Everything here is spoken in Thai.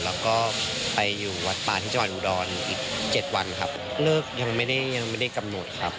แล้วก็ไปอยู่วัดป่าที่จังหวัดอุดรอีกเจ็ดวันครับเลิกยังไม่ได้ยังไม่ได้กำหนดครับ